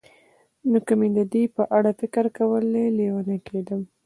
نو که مې د دې په اړه فکر کولای، لېونی کېدم.